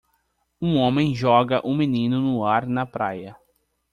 Um homem joga um menino no ar na praia.